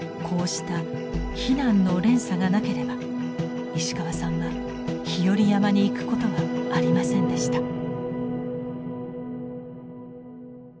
こうした避難の連鎖がなければ石川さんは日和山に行くことはありませんでした。